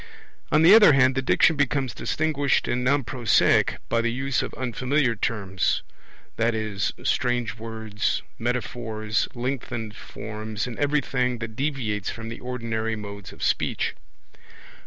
On the other hand the Diction becomes distinguished and non prosaic by the use of unfamiliar terms, i.e. strange words, metaphors, lengthened forms, and everything that deviates from the ordinary modes of speech.